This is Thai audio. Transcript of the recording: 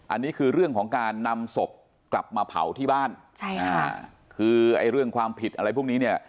อันนี้คือเรื่องของการนำศพกลับมาเผาที่บ้านใช่ค่ะคือไอ้เรื่องความผิดอะไรพวกนี้เนี่ย